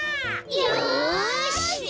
よし！